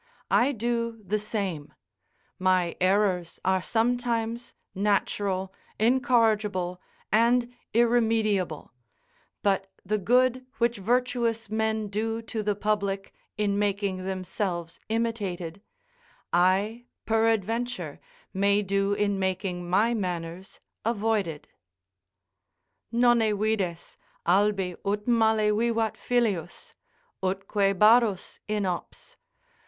I do the same; my errors are sometimes natural, incorrigible, and irremediable: but the good which virtuous men do to the public, in making themselves imitated, I, peradventure, may do in making my manners avoided: "Nonne vides, Albi ut male vivat filius? utque Barrus inops?